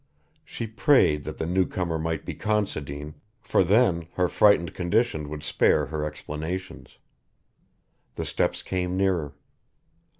She prayed that the new comer might be Considine, for then her frightened condition would spare her explanations. The steps came nearer.